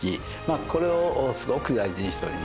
これをすごく大事にしております。